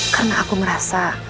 karena aku merasa